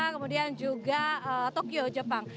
kemudian juga tokyo jepang